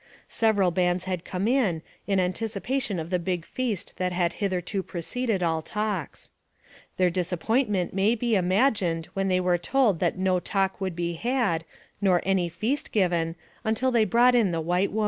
Several bands had come in, in anticipation of the big feast that had hitherto pre ceded all talks. Their disappointment may be imagined when they were told that no talk would be had, nor any feast given, until they brought in the white woman.